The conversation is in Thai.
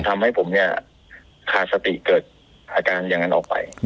ทำให้ผมเนี่ยขาดสติเกิดอาการอย่างนั้นออกไป